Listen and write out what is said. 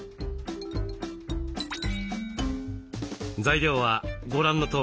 材料はご覧のとおり。